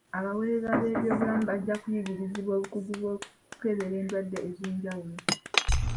Abaweereza b'ebyobulamu bajja kuyigirizibwa obukugu bw'okukebera endwadde ez'enjawulo.